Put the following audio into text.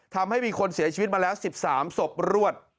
ทำให้มีคนเสียชีวิตมาแล้ว๑๓ศพรวด